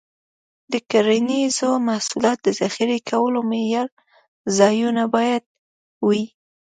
د کرنیزو محصولاتو د ذخیره کولو معیاري ځایونه باید وي.